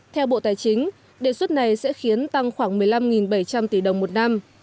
theo bộ tài chính đề xuất này sẽ khiến tăng khoảng một mươi năm bảy trăm linh tỷ đồng một năm